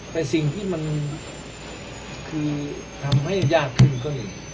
แต่สิ่งที่มันคือทำให้ยากขึ้นก็เห็น